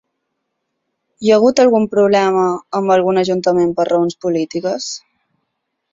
Hi ha hagut algun problema amb algun ajuntament per raons polítiques?